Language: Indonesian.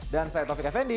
dan saya taufik effendi